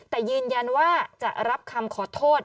แต่ยืนยันว่าจะรับคำขอโทษ